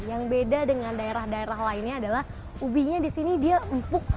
yang beda dengan daerah daerah lainnya adalah ubinya di sini dia empuk